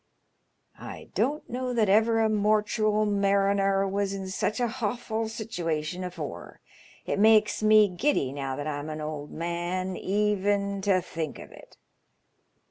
I don't know that ever a mortual mariner was in such a hawfal situation afore. It makes me giddy, now that I'm an old man, even to think of it.